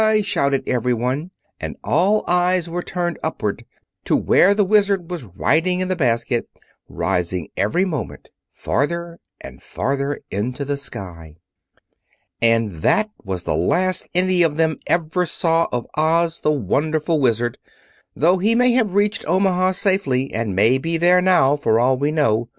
shouted everyone, and all eyes were turned upward to where the Wizard was riding in the basket, rising every moment farther and farther into the sky. And that was the last any of them ever saw of Oz, the Wonderful Wizard, though he may have reached Omaha safely, and be there now, for all we know.